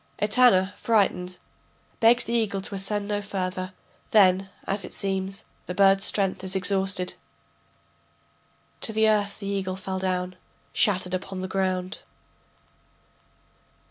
[Etana, frightened, begs the eagle to ascend no further; then, as it seems, the bird's strength is exhausted.] To the earth the eagle fell down Shattered upon the ground.